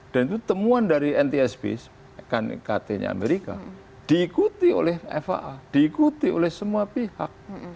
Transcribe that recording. dan itu temuan dari ntsb kt nya amerika diikuti oleh faa diikuti oleh semua pihak